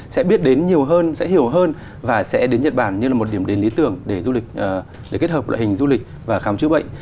sẽ biết đến nhiều hơn sẽ hiểu hơn và sẽ đến nhật bản như là một điểm đến lý tưởng để du lịch để kết hợp loại hình du lịch và khám chữa bệnh